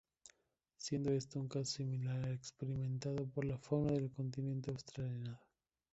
Siendo esto un caso similar al experimentado por la fauna del continente australiano.